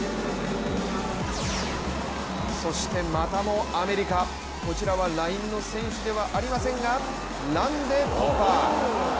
そしてまたもアメリカ、こちらはラインの選手ではありませんがランで突破。